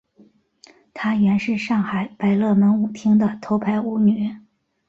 她原是上海百乐门舞厅的头牌舞女。